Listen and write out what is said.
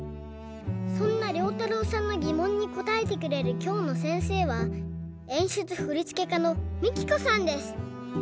そんなりょうたろうさんのぎもんにこたえてくれるきょうのせんせいは演出振付家のＭＩＫＩＫＯさんです。